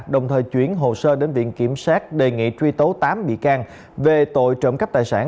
đồng thời chuyển hồ sơ đến viện kiểm sát đề nghị truy tố tám bị can về tội trộm cắp tài sản